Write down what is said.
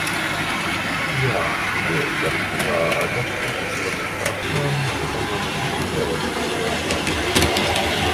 Jā, tiešām, kāda puskilometra attālumā pamanu maskētus lielgabalus.